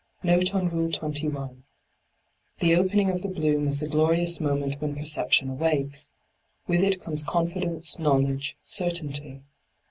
JVofe on Rule 21. — The opening of the bloom is the glorious moment when percep tion awakes: with it comes confidence^ knowledge, certainty.